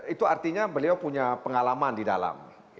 itu artinya beliau punya pengalaman di dalam